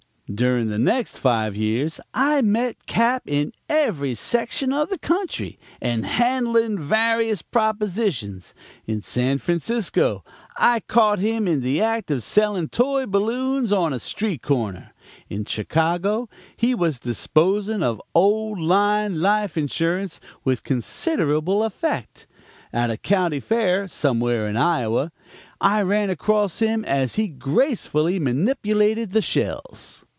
"During the next five years I met Cap. in every section of the country, and handling various propositions. In San Francisco I caught him in the act of selling toy balloons on a street corner; in Chicago he was disposing of old line life insurance with considerable effect; at a county fair, somewhere in Iowa, I ran across him as he gracefully manipulated the shells.